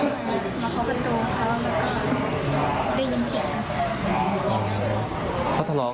เขายิ่งพูดอะไรบ้าง